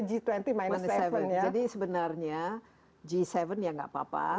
jadi sebenarnya g tujuh ya tidak apa apa